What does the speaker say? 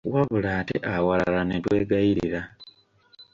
Wabula ate awalala ne twegayirira.